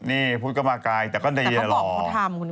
นี่พุทธก็มากายแต่ก็ใดหล่อแต่เขาบอกว่าทำ